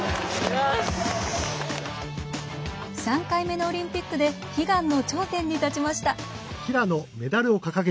３回目のオリンピックで悲願の頂点に立ちました。